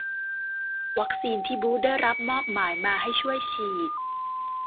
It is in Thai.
วัคซีนที่บูตส์ได้รับมอบหมายมาให้ช่วยฉีด